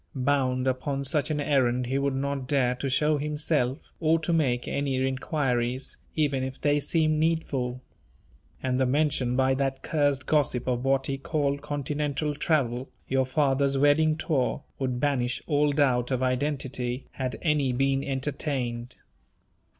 Bound upon such an errand he would not dare to show himself, or to make any inquiries, even if they seemed needful. And the mention by that cursed gossip of what he called "continental travel" your father's wedding tour would banish all doubt of identity, had any been entertained.